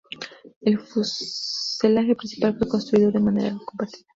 El fuselaje principal fue construido de manera compartida.